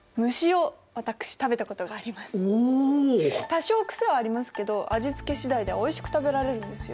多少癖はありますけど味付け次第ではおいしく食べられるんですよ。